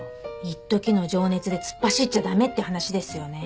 いっときの情熱で突っ走っちゃ駄目って話ですよね。